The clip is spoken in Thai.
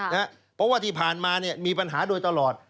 เพราะว่าที่ผ่านมาเนี่ยมีปัญหาโดยตลอด